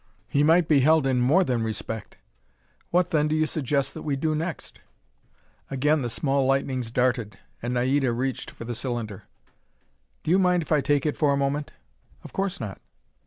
"He might be held in more than respect." "What, then, do you suggest that we do next?" Again the small lightnings darted, and Naida reached for the cylinder. "Do you mind if I take it for a moment?" "Of course not."